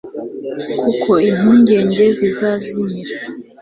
kuko impungenge zizazimira